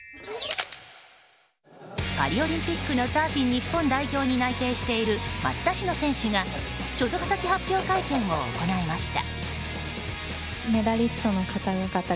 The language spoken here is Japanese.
パリオリンピックのサーフィン日本代表に内定している松田詩野選手が所属先発表会見を行いました。